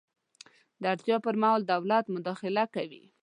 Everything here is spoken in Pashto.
د اړتیا پر مهال دولت مداخله کوي.